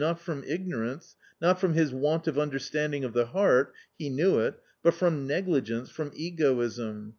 not from ignorance, not from his want of understanding of the heart — he knew it — but from negligence, from egoism